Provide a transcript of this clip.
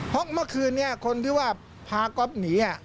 เพราะเมื่อคืนนี้คนที่ว่าพาก๊อฟหนี